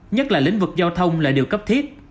nhất là lĩnh vực giao thông là điều cấp thiết